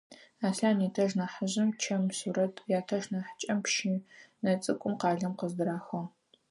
Аслъан ятэш нахьыжъым чэм сурэт, ятэш нахьыкӏэм пщынэ цӏыкӏу къалэм къыздырахыгъ.